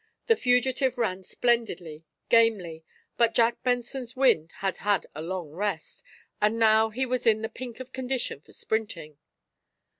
The fugitive ran splendidly, gamely, but Jack Benson's wind had had a long rest, and now he was in the pink of condition for sprinting.